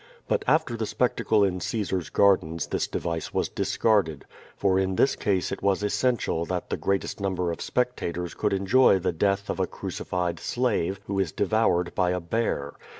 But after the spectacle in Caesar's gardens this device wa§ discarded; for in this case it was essential that the greatest number of specta tors could enjoy the death of a crucified slave, who is de voured by a bear.